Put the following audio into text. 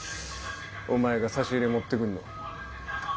お前が差し入れ持ってくんの。